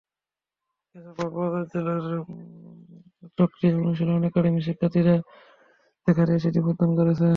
যেমন কক্সবাজার জেলার চকরিয়ার অনুশীলন একাডেমির শিক্ষার্থীরা এখানে এসে নিবন্ধন করেছে।